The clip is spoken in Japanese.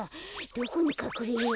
どこにかくれよう。